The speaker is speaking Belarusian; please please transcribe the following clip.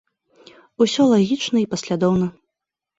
Усё лагічна і паслядоўна.